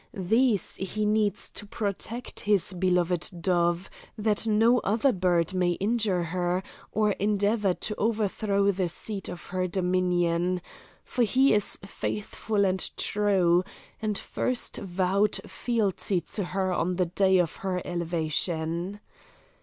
These he needs to protect his beloved dove, that no other bird may injure her or endeavour to overthrow the seat of her dominion, for he is faithful and true, and first vowed fealty to her on the day of her elevation.